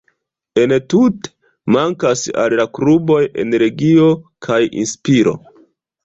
Entute, mankas al la kluboj energio kaj inspiro.